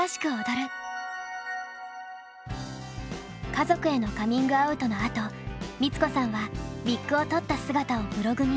家族へのカミングアウトのあと光子さんはウィッグを取った姿をブログに掲載。